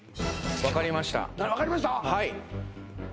分かりました